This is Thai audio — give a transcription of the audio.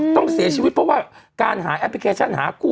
ต้องเสียชีวิตเพราะว่าการหาแอปพลิเคชันหาคู่